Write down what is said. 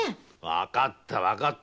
わかったわかった。